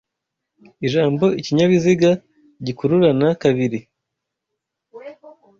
Ijambo ikinyabiziga gikururana kabiri